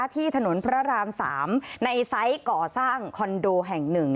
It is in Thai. ที่ถนนพระราม๓ในไซส์ก่อสร้างคอนโดแห่ง๑